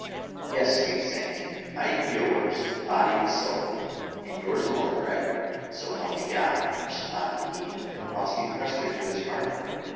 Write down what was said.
"Yes, sweet saint, I am yours body and soul, and yours alone forever. So lielp me God !" responded he, whilst he pressed her to his heart.